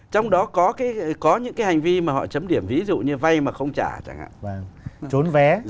trong đó có những cái hành vi mà họ chấm điểm ví dụ như vay mà không trả chẳng hạn trốn vé